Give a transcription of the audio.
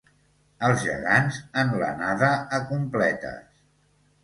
Els gegants en l'anada a Completes.